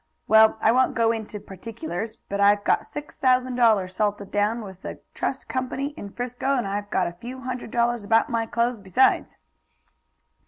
Well, I won't go into particulars, but I've got six thousand dollars salted down with a trust company in 'Frisco, and I've got a few hundred dollars about my clothes besides."